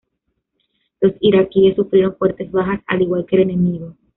Los iraquíes sufrieron fuertes bajas al igual que el enemigo.